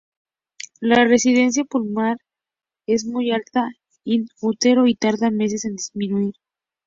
La resistencia pulmonar es muy alta in útero, y tarda meses en disminuir.